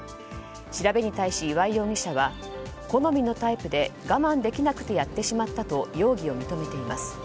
調べに対し岩井容疑者は好みのタイプで我慢できなくてやってしまったと容疑を認めています。